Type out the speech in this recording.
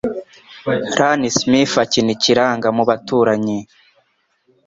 Ian Smith Akina Ikiranga Mubaturanyi